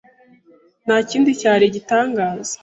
Ntakindi cyari igitangaza.